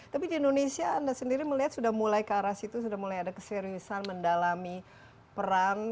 tapi di indonesia anda sendiri melihat sudah mulai ke arah situ sudah mulai ada keseriusan mendalami perang